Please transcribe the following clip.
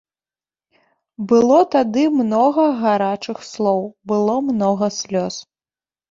Было тады многа гарачых слоў, было многа слёз.